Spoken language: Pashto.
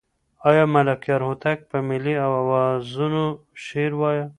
آیا ملکیار هوتک په ملي اوزانو شعر وایه؟